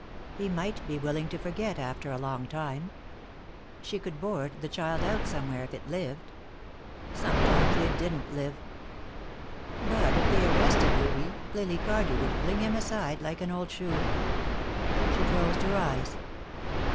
He might be willing to forget, after a long time. She could board the child out somewhere, if it lived. Sometimes they didn't live. But if they arrested Louis, Lily Cardew would fling him aside like an old shoe. She closed her eyes.